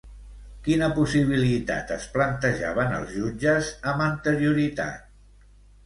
Quina possibilitat es plantejaven els jutges amb anterioritat?